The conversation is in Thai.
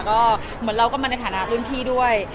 ก็เหมือนเราก็มาในฐานะรุ่นพี่ด้วย